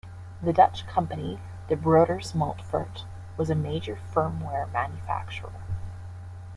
The Dutch company De Broeders Montfort was a major firmware manufacturer.